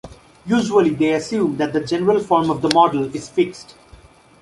Usually they assume that the general form of the model is fixed.